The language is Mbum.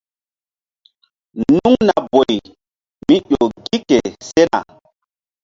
Nuŋna boy mí ƴo gi ke sena.